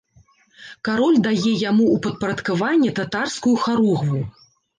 Кароль дае яму ў падпарадкаванне татарскую харугву.